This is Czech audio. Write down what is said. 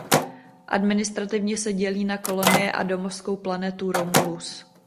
Administrativně se dělí na kolonie a domovskou planetu Romulus.